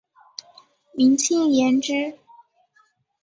明清延之。